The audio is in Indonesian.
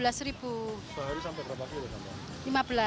sehari sampai berapa ribu